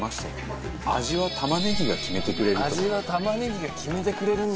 味は玉ねぎが決めてくれるんだ。